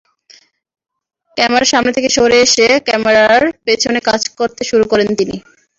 ক্যামেরার সামনে থেকে সরে এসে ক্যামেরার পেছনে কাজ করতে শুরু করেন তিনি।